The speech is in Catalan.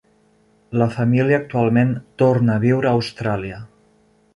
La família actualment torna a viure a Austràlia.